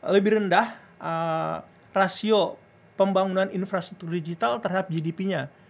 lebih rendah rasio pembangunan infrastruktur digital terhadap gdp nya